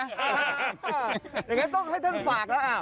อย่างนั้นต้องให้ท่านฝากแล้ว